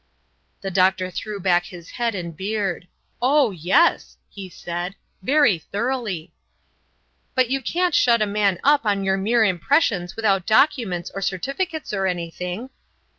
The doctor threw back his head and beard. "Oh, yes," he said, "very thoroughly." "But you can't shut a man up on your mere impressions without documents or certificates or anything?"